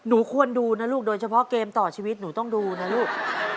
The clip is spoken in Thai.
หนูควรดูนะลูกโดยเฉพาะเกมต่อชีวิตหนูต้องดูนะลูก